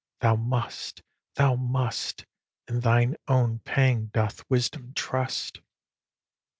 Thou must, thou must: In thine own pang doth wisdom trust.